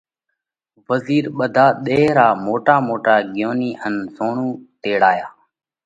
وزِير ٻڌا ۮيه را موٽا موٽا ڳيونِي ان زوڻُو تيڙايا